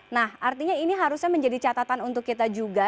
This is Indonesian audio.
nah artinya ini harusnya menjadi catatan untuk kita juga